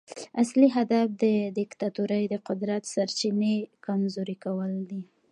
اصلي هدف د دیکتاتورۍ د قدرت سرچینې کمزوري کول دي.